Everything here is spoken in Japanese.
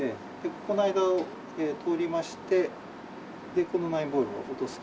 この間を通りましてこのナインボールを落とすと。